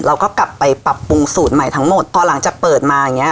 เราก็กลับไปปรับปรุงสูตรใหม่ทั้งหมดพอหลังจากเปิดมาอย่างเงี้